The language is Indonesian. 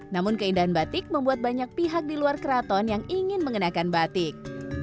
namun keindahan batik membuat banyak pihak di luar keraton yang ingin mengenakan batik